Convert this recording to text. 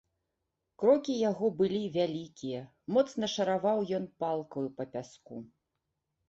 Крокі яго былі вялікія, моцна шараваў ён палкаю па пяску.